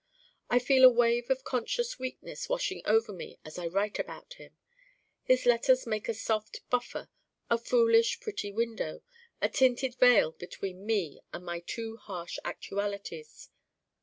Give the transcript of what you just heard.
I feel a wave of conscious Weakness washing over me as I write about it. His letters make a soft buffer, a foolish pretty window, a tinted veil between me and my too harsh actualities.